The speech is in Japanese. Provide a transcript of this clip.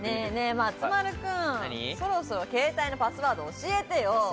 松丸君、そろそろケータイのパスワード教えてよ。